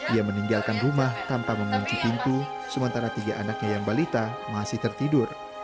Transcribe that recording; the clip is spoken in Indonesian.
ia meninggalkan rumah tanpa mengunci pintu sementara tiga anaknya yang balita masih tertidur